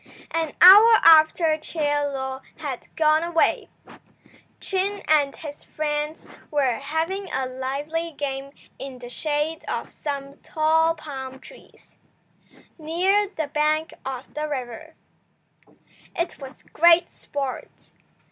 An hour after Chie Lo had gone away, Chin and his friends were having a lively game in the shade of some tall palm trees, near the bank of the river. It was great sport.